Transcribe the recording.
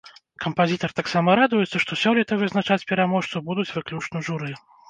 Кампазітар таксама радуецца, што сёлета вызначаць пераможцу будуць выключна журы.